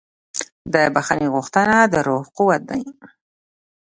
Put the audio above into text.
د بښنې غوښتنه د روح قوت ده.